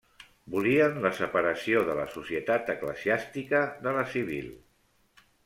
Volien la separació de la societat eclesiàstica de la civil.